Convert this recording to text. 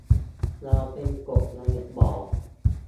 เราเป็นกบในบ่อ